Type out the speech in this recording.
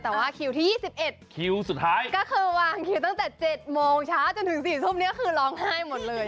แต่ว่าคิวที่๒๑คิวสุดท้ายก็คือวางคิวตั้งแต่๗โมงเช้าจนถึง๔ทุ่มนี้คือร้องไห้หมดเลย